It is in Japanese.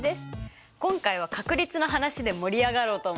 今回は確率の話で盛り上がろうと思って。